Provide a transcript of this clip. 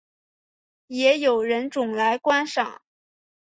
也有人种来观赏。